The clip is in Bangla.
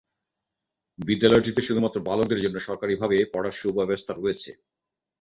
বিদ্যালয়টিতে শুধুমাত্র বালকদের জন্য সরকারিভাবে পড়ার সুব্যবস্থা রয়েছে।